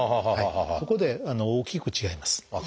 ここで大きく違います。